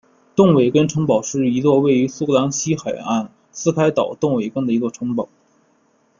邓韦根城堡是一座位于苏格兰西海岸斯凯岛邓韦根的一座城堡。